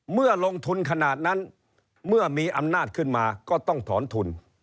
เมื่อลงทุนขนาดนั้นเมื่อมีอำนาจขึ้นมาก็ต้องถอนทุน